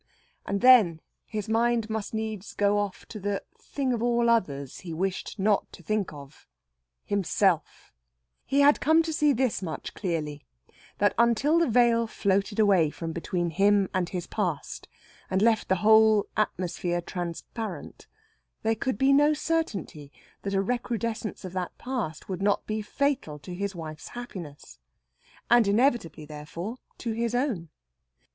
And then his mind must needs go off to the thing of all others he wished not to think of himself. He had come to see this much clearly, that until the veil floated away from between him and his past and left the whole atmosphere transparent, there could be no certainty that a recrudescence of that past would not be fatal to his wife's happiness. And inevitably, therefore, to his own.